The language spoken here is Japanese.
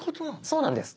そうなんです。